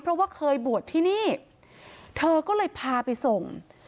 เพราะว่าเคยบวชที่นี่เธอก็เลยพาไปส่ง